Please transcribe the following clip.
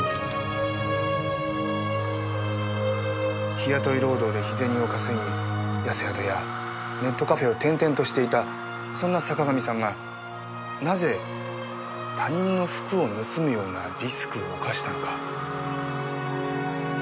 日雇い労働で日銭を稼ぎ安宿やネットカフェを転々としていたそんな坂上さんがなぜ他人の服を盗むようなリスクを冒したのか。